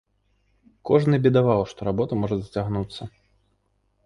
Кожны бедаваў, што работа можа зацягнуцца.